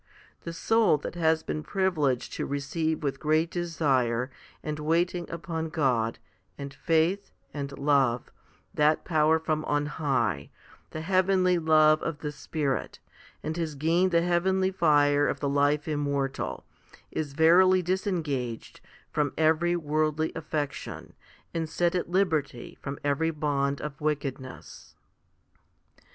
The soul that has been privileged to receive with great desire, and waiting upon God, and faith, and love, that power from on high, the heavenly love of the Spirit, and has gained the heavenly fire of the life immortal, is verily disengaged from every worldly affection, and set at liberty from every bond of wickedness.